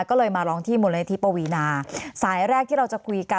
ก็เลยมาร้องที่มูลนิธิปวีนาสายแรกที่เราจะคุยกัน